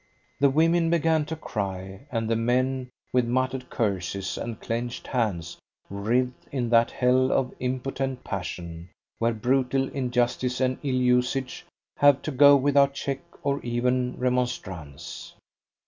The women began to cry, and the men, with muttered curses and clenched hands, writhed in that hell of impotent passion, where brutal injustice and ill usage have to go without check or even remonstrance.